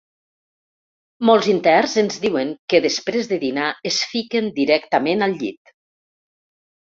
Molts interns ens diuen que després de dinar es fiquen directament al llit.